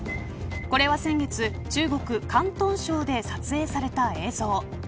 これは先月中国、広東省で撮影された映像。